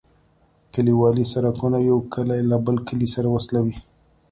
کليوالي سرکونه یو کلی له بل کلي سره وصلوي